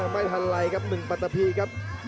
ไม่ทันไรครับหนึ่งปรัฐพีครับ